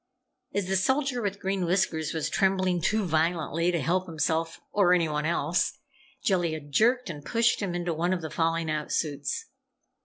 As the Soldier with Green Whiskers was trembling too violently to help himself or anyone else, Jellia jerked and pushed him into one of the falling out suits.